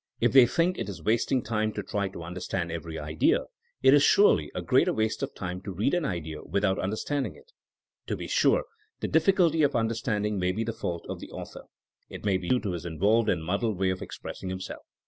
If they thiuk it is wasting time to try to understand every idea, it is surely a greater waste of time to read an idea without understanding it. To be sure, the difficulty of understanding may be the fault of the author. It may be due to his involved and muddled way of expressing him self.